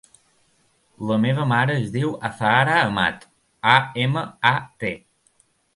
La meva mare es diu Azahara Amat: a, ema, a, te.